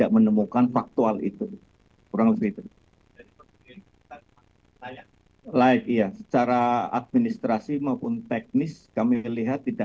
menemukan faktual itu kurang lebih itu layak iya secara administrasi maupun teknis kami lihat tidak